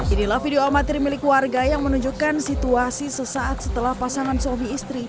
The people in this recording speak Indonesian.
inilah video amatir milik warga yang menunjukkan situasi sesaat setelah pasangan suami istri